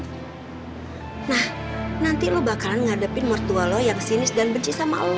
nah nanti lo bakalan ngadepin mertua lo yang sinis dan benci sama allah